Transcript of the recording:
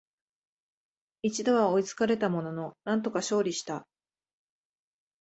一度は追いつかれたものの、なんとか勝利した